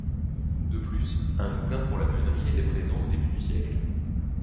De plus, un moulin pour la meunerie était présent au début du siècle.